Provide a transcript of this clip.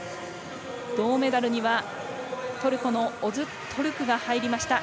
銅メダルには、トルコのオズトォルクが入りました。